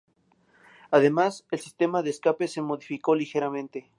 Además, el sistema de escape se modificó ligeramente.